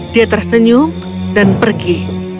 dia tersenyum dan pergi